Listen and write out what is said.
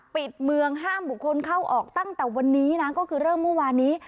ปิดเมืองห้ามบุคคลเข้าออกตั้งแต่วันนี้นะก็คือเริ่มเมื่อวานนี้